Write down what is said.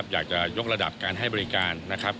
อยากจะยกระดับการให้บริการ